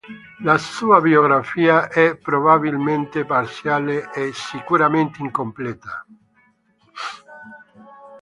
La sua biografia è probabilmente parziale e sicuramente incompleta.